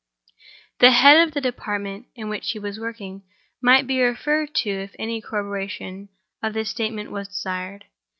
The head of the department in which he was working might be referred to if any corroboration of this statement was desired.